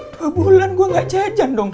dua bulan gue gak jajan dong